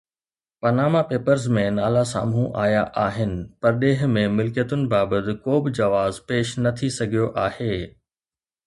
Panama Papers ۾ نالا سامهون آيا آهن، پرڏيهه ۾ ملڪيتن بابت ڪو به جواز پيش نه ٿي سگهيو آهي.